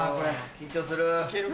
緊張する。